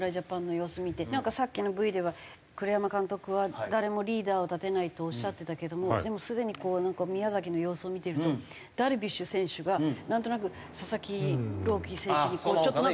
なんかさっきのＶでは栗山監督は誰もリーダーを立てないとおっしゃっていたけどもでもすでにこう宮崎の様子を見てるとダルビッシュ選手がなんとなく佐々木朗希選手にちょっとなんか教えた。